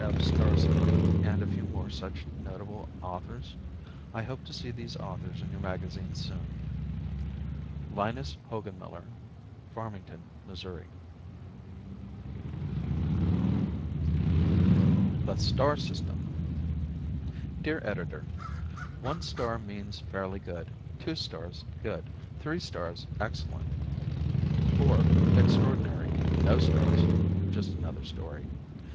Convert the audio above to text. F. Starzl, and a few more such notable authors? I hope to see these authors in your magazine soon. Linus Hogenmiller, 502 N. Washington St., Farmington, Mo. The Star System! Dear Editor: One star means fairly good, two stars, good; three stars, excellent; four, extraordinary; no stars just another story.